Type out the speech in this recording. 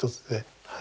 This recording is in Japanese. はい。